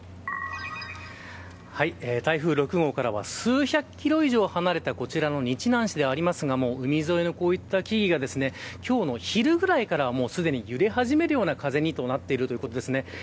台風６号からは数百キロ以内以上離れたこちらの日南市ですが海沿いの木々が今日の昼ぐらいからすでに揺れ始めてるような風になっています。